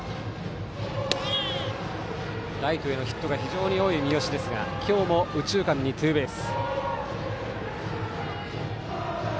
ライトへのヒットが非常に多い三好ですが今日も右中間にツーベース。